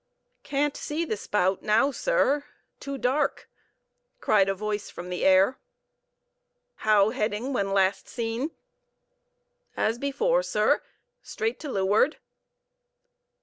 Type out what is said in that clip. "Can't see the spout now, sir;—too dark," cried a voice from the air. "How heading when last seen?" "As before, sir,—straight to leeward."